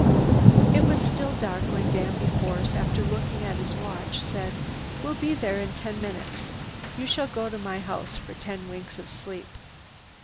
It was still dark when Danby Force, after looking at his watch, said: "We'll be there in ten minutes. You shall go to my house for ten winks of sleep."